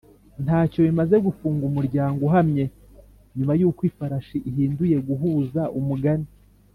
ntacyo bimaze gufunga umuryango uhamye nyuma yuko ifarashi ihinduye guhuza umugani